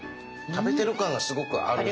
食べてる感がすごくあるし。